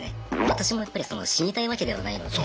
私もやっぱり死にたいわけではないので。